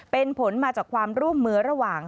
เป็นผลมาจากความร่วมมือระหว่าง